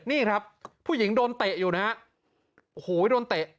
นี่ครับผู้หญิงโดนเตะอยู่นะฮะโอ้โหโดนเตะ